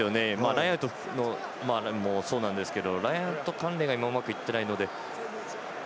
ラインアウトもそうなんですがラインアウト関連が今、うまくいっていないので。